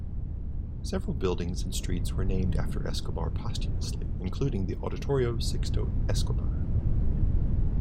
Several buildings and streets were named after Escobar posthumously, including the "Auditorio Sixto Escobar".